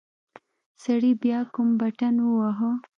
سړي بيا کوم بټن وواهه.